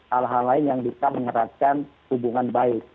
hal hal lain yang bisa mengeratkan hubungan baik